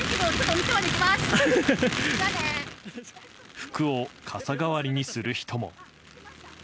服を傘代わりにする人も。